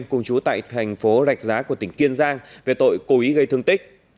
cùng chú tại thành phố rạch giá của tỉnh kiên giang về tội cố ý gây thương tích